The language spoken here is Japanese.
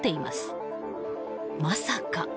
まさか。